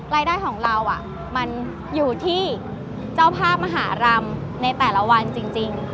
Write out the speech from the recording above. รายได้ของเรามันอยู่ที่เจ้าภาพมหารำในแต่ละวันจริง